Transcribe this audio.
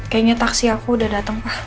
kayaknya taksi aku udah dateng pak